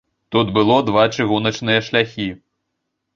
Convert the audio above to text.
Тут было два чыгуначныя шляхі.